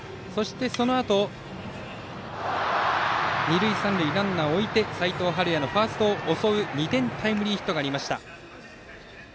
そのあと、二塁三塁にランナーを置いて齋藤敏哉のファーストを襲う２点タイムリーヒット。